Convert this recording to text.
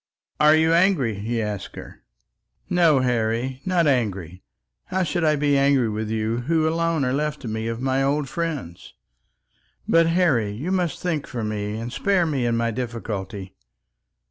"Are you angry?" he asked her. "No, Harry; not angry. How should I be angry with you who alone are left to me of my old friends? But, Harry, you must think for me, and spare me in my difficulty."